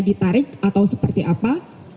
ditarik atau seperti apa